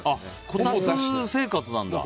こたつ生活なんだ。